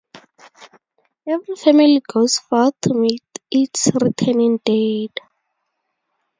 Every family goes forth to meet its returning dead.